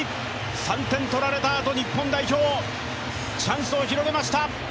３点取られたあと日本代表、チャンスを広げました。